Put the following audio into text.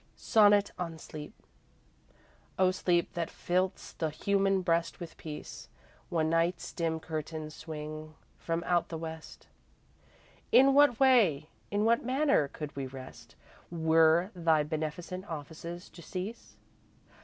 "SONNET ON SLEEP "O Sleep, that fillst the human breast with peace, When night's dim curtains swing from out the West, In what way, in what manner, could we rest Were thy beneficent offices to cease?